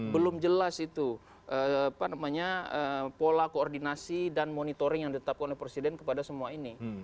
belum jelas itu pola koordinasi dan monitoring yang ditetapkan oleh presiden kepada semua ini